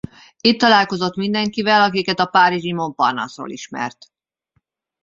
Itt találkozott mindenkivel akiket a párizsi Montparnasse-ról ismert.